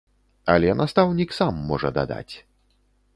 Але настаўнік сам можа дадаць.